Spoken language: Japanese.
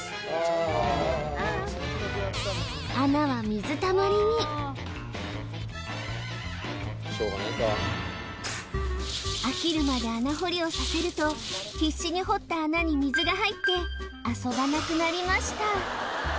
穴は水たまりに飽きるまで穴掘りをさせると必死に掘った穴に水が入って遊ばなくなりました